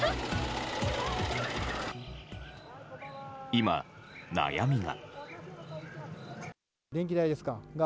今、悩みが。